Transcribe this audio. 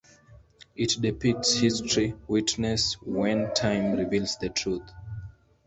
It depicts "History" witness when "Time" reveals the "Truth".